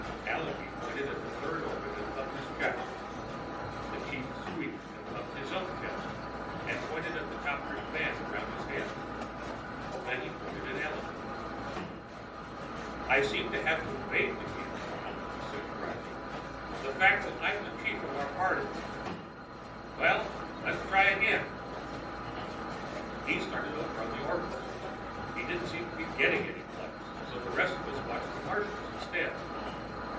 Allenby pointed at the third orbit and thumped his chest. The chief squeaked and thumped his own chest and pointed at the copperish band around his head. Then he pointed at Allenby. "I seem to have conveyed to him," Allenby said dryly, "the fact that I'm chief of our party. Well, let's try again." He started over on the orbits. He didn't seem to be getting anyplace, so the rest of us watched the Martians instead.